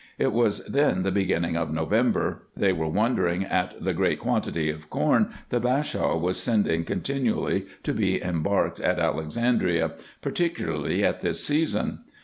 It was then the beginning of November. They were wondering at the great quantity of corn the Bashaw was sending con tinually to be embarked at Alexandria, particularly at this season.